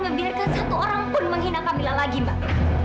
karena saya tidak akan membiarkan satu orang pun menghina kamila lagi mbak